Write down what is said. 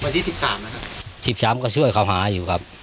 วันที่๑๓นะครับ๑๓ก็ช่วยเขาหาอยู่ครับ